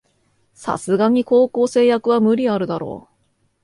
さすがに高校生役は無理あるだろ